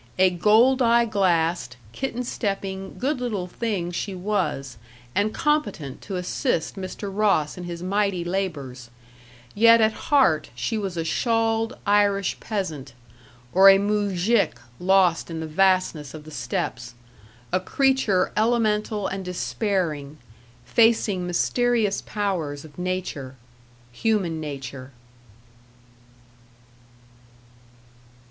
A gold eye glassed, kitten stepping, good little thing she was, and competent to assist Mr. Ross in his mighty labors, yet at heart she was a shawled Irish peasant, or a muzhik lost in the vastness of the steppes; a creature elemental and despairing, facing mysterious powers of nature human nature.